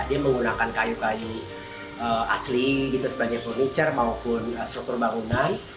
dia menggunakan kayu kayu asli gitu sebagai furniture maupun struktur bangunan